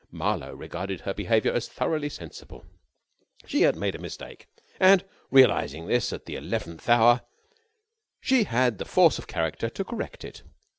Marlowe regarded her behaviour as thoroughly sensible. She had made a mistake, and, realising this at the eleventh hour, she had had the force of character to correct it.